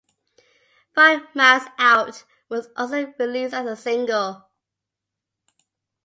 "Five Miles Out" was also released as a single.